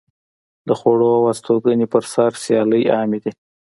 د خوړو او هستوګنځي پر سر سیالۍ عامې دي.